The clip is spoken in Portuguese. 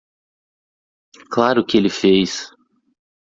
Claro que ele fez.